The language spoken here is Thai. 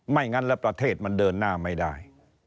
งั้นแล้วประเทศมันเดินหน้าไม่ได้